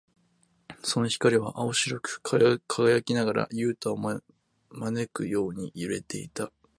その光は青白く輝きながら、ユウタを招くように揺れていた。